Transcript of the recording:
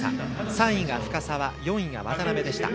３位が深沢、４位が渡部でした。